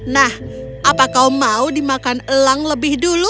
nah apa kau mau dimakan elang lebih dulu